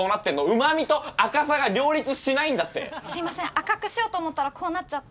赤くしようと思ったらこうなっちゃって。